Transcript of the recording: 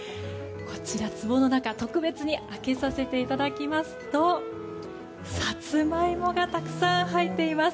こちら、つぼの中特別に開けさせていただきますとサツマイモがたくさん入っています。